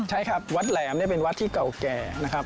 ใช่ครับวัดแหลมเนี่ยเป็นวัดที่เก่าแก่นะครับ